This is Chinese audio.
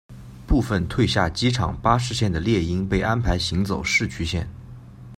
部份退下机场巴士线的猎鹰被安排行走市区线。